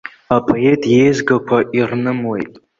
Апоет иеизгақәа ирнымлеит.